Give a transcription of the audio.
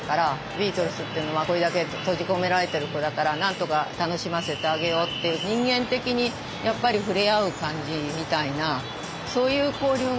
ビートルズっていうのはこれだけ閉じ込められてる子だからなんとか楽しませてあげようっていう人間的にやっぱり触れ合う感じみたいなそういう交流がありましたよね。